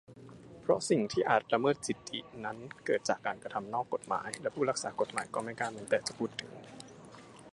เพราะสิ่งที่อาจละเมิดสิทธินั้นเกิดจากการกระทำนอกกฎหมาย และผู้รักษากฎหมายก็ไม่กล้าแม้แต่จะพูดถึง